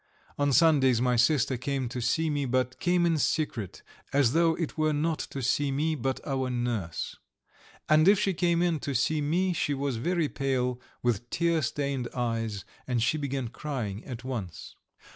On Sundays my sister came to see me, but came in secret, as though it were not to see me but our nurse. And if she came in to see me she was very pale, with tear stained eyes, and she began crying at once.